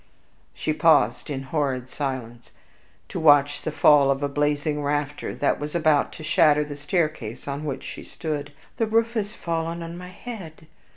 She paused in horrid silence, to watch the fall of a blazing rafter that was about to shatter the staircase on which she stood. "The roof has fallen on my head!"